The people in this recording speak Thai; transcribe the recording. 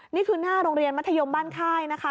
นี่คือหน้าโรงเรียนมัธยมบ้านค่ายนะคะ